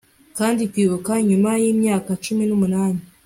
Kandi kwibuka nyuma yimyaka cumi numunani